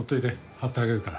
貼ってあげるから。